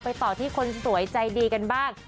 ต่อที่คนสวยใจดีกันบ้าง